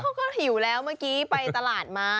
เขาก็หิวแล้วเมื่อกี้ไปตลาดมา